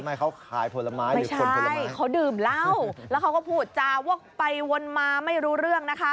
ไม่ใช่เขาดื่มเหล้าแล้วเขาก็พูดจาวว่าไปวนมาไม่รู้เรื่องนะคะ